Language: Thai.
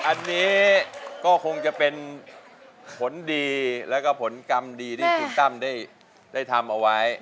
อันนี้ก็คงจะเป็นผลดีแล้วก็ผลกรรมดีที่คุณตั้มได้ทำเอาไว้